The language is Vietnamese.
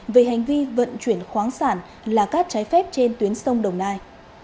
về hành vi vận chuyển khoáng sản là cát trái phép trên tuyến sông đồng nai